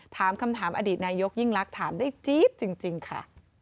ถามคำถามอดีตนายกยิ่งลักษณ์ถามได้จี๊ดจริงค่ะ